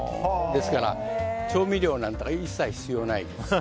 ですから、調味料なんか一切必要ないです。